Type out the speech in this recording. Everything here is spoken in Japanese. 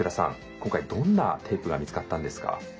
今回どんなテープが見つかったんですか？